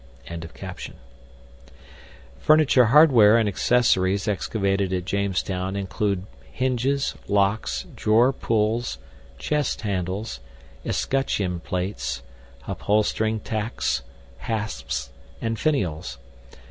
] Furniture hardware and accessories excavated at Jamestown include hinges, locks, drawer pulls, chest handles, escutcheon plates, upholstering tacks, hasps, and finials.